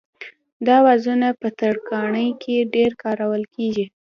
دا اوزارونه په ترکاڼۍ کې ډېر کارول کېږي.